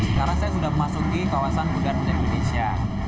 sekarang saya sudah memasuki kawasan budart indonesia